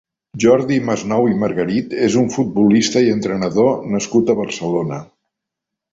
Jordi Masnou i Margarit és un futbolista i entrenador nascut a Barcelona.